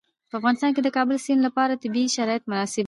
په افغانستان کې د د کابل سیند لپاره طبیعي شرایط مناسب دي.